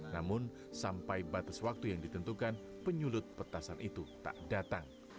namun sampai batas waktu yang ditentukan penyulut petasan itu tak datang